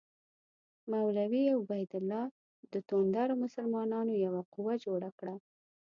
مولوي عبیدالله د توندرو مسلمانانو یوه قوه جوړه کړه.